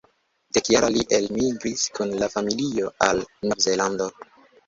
Dekjara, li elmigris kun la familio al Novzelando.